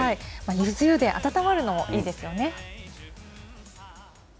ゆず湯で温まるのもいいですよね。